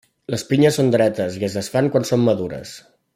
Les pinyes són dretes i es desfan quan són madures.